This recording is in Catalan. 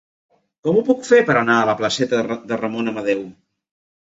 Com ho puc fer per anar a la placeta de Ramon Amadeu?